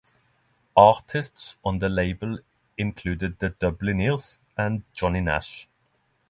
Artists on the label included the Dubliners and Johnny Nash.